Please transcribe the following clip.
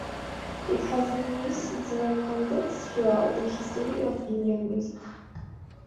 It has been used in several contexts throughout the history of Indian music.